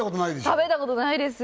食べたことないです